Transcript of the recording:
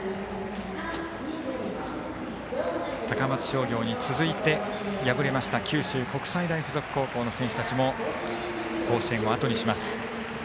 高松商業に続いて、敗れました九州国際大付属高校の選手たちも甲子園をあとにします。